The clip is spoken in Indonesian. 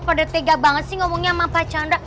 kode tega banget sih ngomongnya sama pak chandra